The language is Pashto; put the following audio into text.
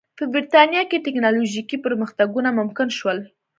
په برېټانیا کې ټکنالوژیکي پرمختګونه ممکن شول.